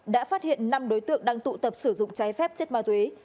đã phát hiện năm đối tượng đang tụ tập sử dụng trái phép chất ma túy